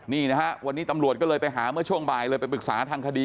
นี่นะฮะวันนี้ตำรวจก็เลยไปหาเมื่อช่วงบ่ายเลยไปปรึกษาทางคดี